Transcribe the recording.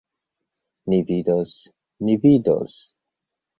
Ni vidos, ni vidos!